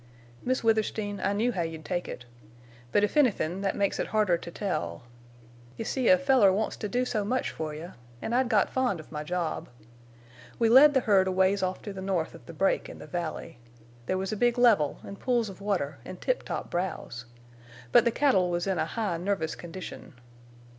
"Miss Withersteen, I knew how you'd take it. But if anythin', that makes it harder to tell. You see, a feller wants to do so much fer you, an' I'd got fond of my job. We led the herd a ways off to the north of the break in the valley. There was a big level an' pools of water an' tip top browse. But the cattle was in a high nervous condition.